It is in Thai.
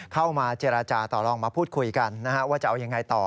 เข้ามาเจรจาต่อลองมาพูดคุยกันว่าจะเอายังไงต่อ